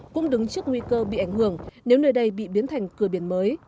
cũng đứng trước nguy cơ bị ảnh hưởng nếu nơi đây bị biến thành cửa biển mới